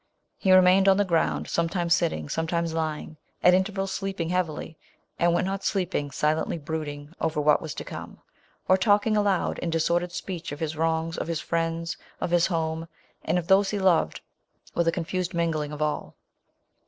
He remained on the ground, sometimes sitting, sometimes lying ; at intervals, sleeping heavily ; and when not sleeping, silently brooding over what was to come, or talking aloud, in disordered speech, of his wrongs, of his friends, of his home, and of those he loved, with a confu sed mingling of all.